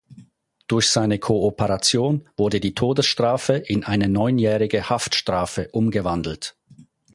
Durch seine Kooperation wurde die Todesstrafe in eine neunjährige Haftstrafe umgewandelt.